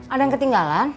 ada yang ketinggalan